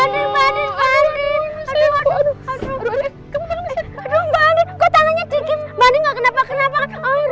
ba dien kok tangannya kiki ba dien gak kenapa kenapa aduh ma'anin